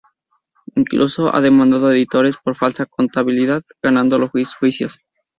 Incluso ha demandado a editores por falsa contabilidad, ganado los juicios.